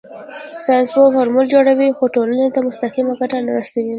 ساینسپوه فورمول جوړوي خو ټولنې ته مستقیمه ګټه نه رسوي.